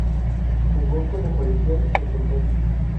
Jugó como colegial en Kentucky.